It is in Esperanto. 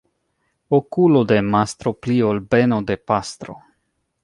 Okulo de mastro pli ol beno de pastro.